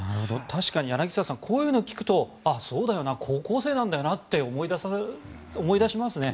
確かに柳澤さんこういうのを聞くとああ、そうだよな高校生だよなって思い出しますね。